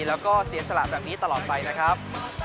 แล้วก็เสียสละแบบนี้ตลอดไปนะครับ